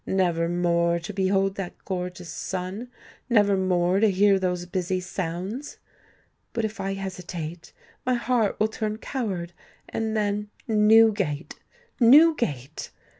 Never more to behold that gorgeous sun—never more to hear those busy sounds! But if I hesitate, my heart will turn coward; and then—Newgate—Newgate!"